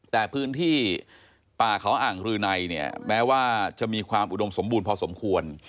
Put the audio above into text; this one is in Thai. แต่พื้นที่ป่าเขาอ่างรืนัยเนี่ยแม้ว่าจะมีความอุดมสมบูรณ์พอสมควร